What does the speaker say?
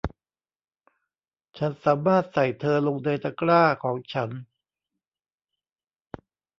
ฉันสามารถใส่เธอลงในตะกร้าของฉัน